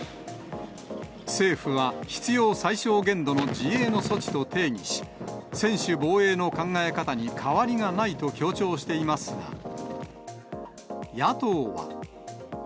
政府は必要最小限度の自衛の措置と定義し、専守防衛の考え方に変わりがないと強調していますが、野党は。